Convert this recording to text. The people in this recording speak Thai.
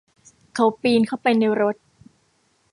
เขาปีนเข้าไปในรถ